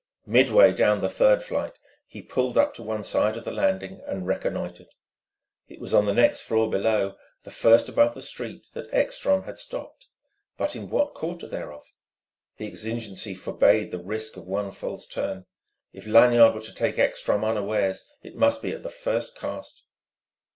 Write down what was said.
Midway down the third flight he pulled up to one side of the landing, and reconnoitred. It was on the next floor below, the first above the street, that Ekstrom had stopped. But in what quarter thereof? The exigency forbade the risk of one false turn. If Lanyard were to take Ekstrom unawares it must be at the first cast.